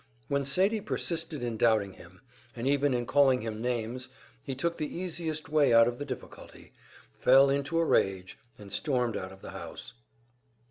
When Sadie persisted in doubting him, and even in calling him names, he took the easiest way out of the difficulty fell into a rage and stormed out of the house.